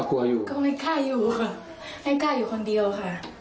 กลัวอยู่ก็ไม่กล้าอยู่ค่ะไม่กล้าอยู่คนเดียวค่ะ